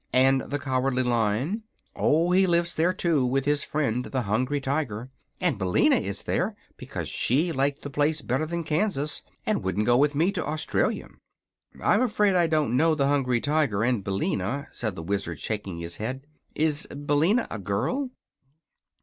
"And the Cowardly Lion?" "Oh, he lives there too, with his friend the Hungry Tiger; and Billina is there, because she liked the place better than Kansas, and wouldn't go with me to Australia." "I'm afraid I don't know the Hungry Tiger and Billina," said the Wizard, shaking his head. "Is Billina a girl?"